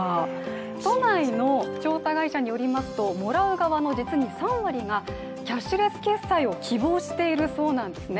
都内の調査会社によりますともらう側の実に３割がキャッシュレス決済を希望しているそうなんですね。